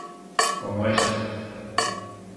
como este.